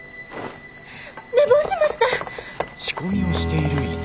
寝坊しました！